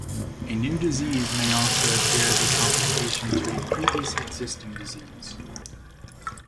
A new disease may also appear as a complication to a previous existing disease.